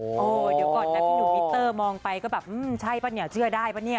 เดี๋ยวก่อนนะพี่หนุ่มมิเตอร์มองไปก็แบบใช่ปะเหนียวเชื่อได้ป่ะเนี่ย